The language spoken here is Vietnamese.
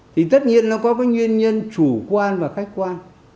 thì tất nhiên nó có cái nguyên nhân chủ quan và khách quan